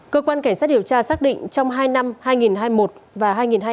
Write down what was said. cơ quan cảnh sát điều tra xác định trong hai năm hai nghìn hai mươi một và hai nghìn hai mươi ba